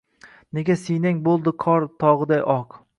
Nega siynang bo’ldi qor tog’iday oq?